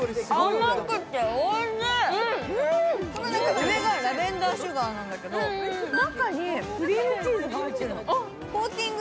上がラベンダーシュガーなんだけど中にクリームチーズが入ってるの。